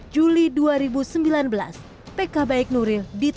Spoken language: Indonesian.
juli dua ribu sembilan belas pk baik nuril